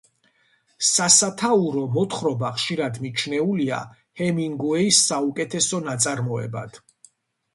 სასათაურო მოთხრობა ხშირად მიჩნეულია ჰემინგუეის საუკეთესო ნაწარმოებად.